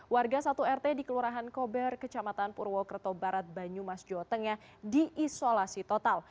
warga satu rt di kelurahan kober kecamatan purwokerto barat banyumas jawa tengah diisolasi total